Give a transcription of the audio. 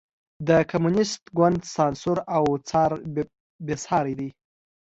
د کمونېست ګوند سانسور او څار بېساری دی.